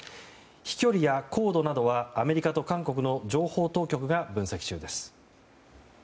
飛距離や高度などはアメリカと韓国の情報当局が分析中です。